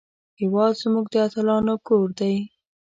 هېواد زموږ د اتلانو کور دی